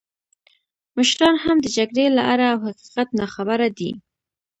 مشران هم د جګړې له آره او حقیقت نه ناخبره دي.